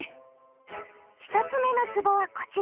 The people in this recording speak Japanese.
１つ目のつぼはこちら。